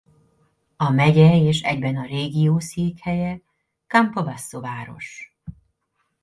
A megye és egyben a régió székhelye Campobasso város.